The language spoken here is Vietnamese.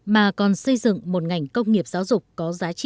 mà còn xây dựng một ngành công nghiệp giáo dục